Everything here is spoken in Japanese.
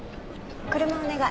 車をお願い。